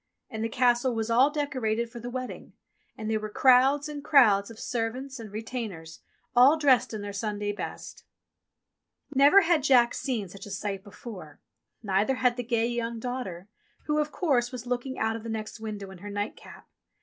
And the Castle was all decorated for the wedding, and there were crowds and crowds of servants and retainers, all dressed in their Sunday best. Never had Jack seen such a sight before ; neither had the gay young daughter who, of course, was looking out of the next window in her nightcap.